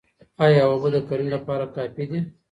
ايا اوبه د کرني لپاره کافي دي؟